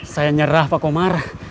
saya nyerah pak omar